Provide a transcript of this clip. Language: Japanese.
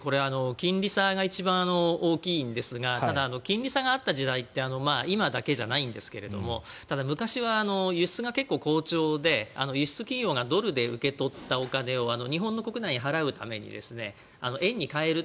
金利差が一番大きいんですがただ、金利差があった時代って今だけじゃないんですがただ、昔は輸出が結構好調で輸出企業がドルで受け取ったお金を日本の国内に払うために円に換える。